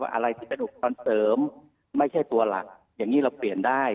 อะไรที่เป็นอุปกรณ์เสริมไม่ใช่ตัวหลักอย่างนี้เราเปลี่ยนได้